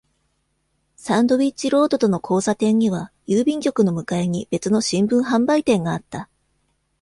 サンドウィッチ・ロードとの交差点には、郵便局の向かいに別の新聞販売店があった。